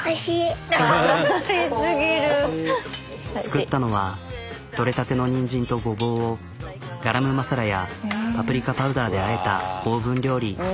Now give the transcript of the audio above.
作ったのは取れたてのニンジンとゴボウをガラムマサラやパプリカパウダーであえたオーブン料理。